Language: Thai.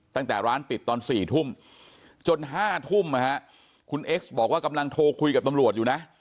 ตั้งแต่ร้านปิดตอน๔ทุ่มจน๕ทุ่มคุณเอ็กซ์บอกว่ากำลังโทรคุยกับตำรวจอยู่นะ